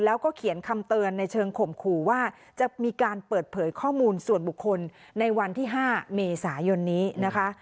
แล้วก็เขียนคำเตือนในเชิงข่มขู่ว่าจะมีการเปิดเผยข้อมูลส่วนบุคคลในวันที่๕เมษายนนี้นะคะ